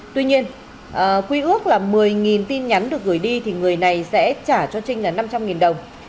tuy nhiên quy ước là một mươi tin nhắn được gửi đi thì người này sẽ trả cho trinh là năm trăm linh đồng